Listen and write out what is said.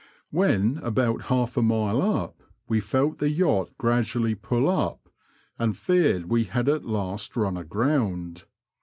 When about half a mile up, we felt the yacht gradually pull up, and feared we had at last run aground.